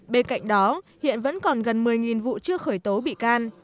bên cạnh đó hiện vẫn còn gần một mươi vụ chưa khởi tố bị can